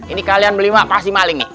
ini kalian beli pasti maling nih